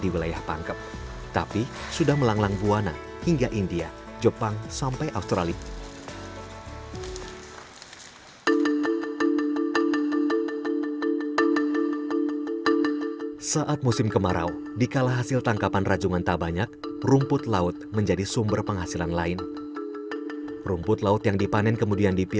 bahkan sudah merupakan oleh oleh khas kabupaten pangkep